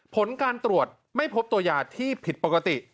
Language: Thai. ผลการตรวจไม่พบตัวยาที่ผิดปกติ